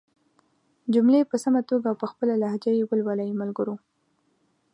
جملې په سمه توګه او په خپله لهجه ېې ولولئ ملګرو!